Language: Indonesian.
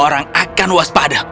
orang akan waspada